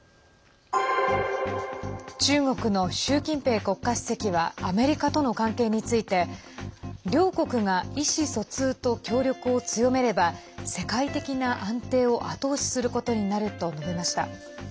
中国の習近平国家主席はアメリカとの関係について両国が意思疎通と協力を強めれば世界的な安定を後押しすることになると述べました。